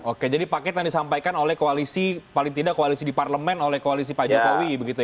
oke jadi paket yang disampaikan oleh koalisi paling tidak koalisi di parlemen oleh koalisi pak jokowi begitu ya